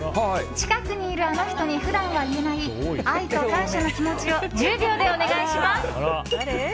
近くにいるあの人に普段は言えない愛と感謝の気持ちを１０秒でお願いします。